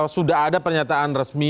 sudah ada pernyataan resmi